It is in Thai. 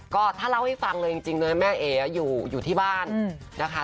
ก็ถ้าเล่าให้ฟังเลยจริงเลยแม่เอ๋อยู่ที่บ้านนะคะ